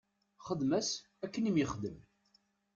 Xdem-as akken i m-yexdem.